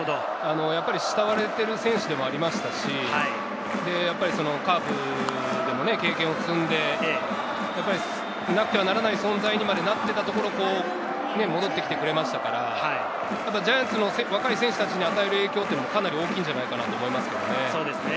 慕われている選手ですし、カープでも経験を積んで、なくてはならない存在にまでなっていたところ、戻ってきてくれましたからｍ、ジャイアンツの若い選手に与える影響はかなり大きいのではないかと思いますね。